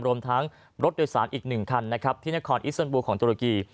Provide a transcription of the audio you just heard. รวมทั้งรถโดยสารอีก๑คันนะครับที่นครอิสเตอร์บูลของตุรกี